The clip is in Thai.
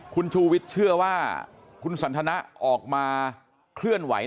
คุณชูวิทย์เชื่อว่าคุณสันทนะออกมาเคลื่อนไหว